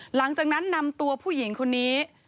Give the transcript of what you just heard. หลังจากนั้นนำตัวผู้หญิงคนนี้